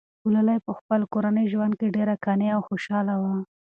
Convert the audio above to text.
ګلالۍ په خپل کورني ژوند کې ډېره قانع او خوشحاله وه.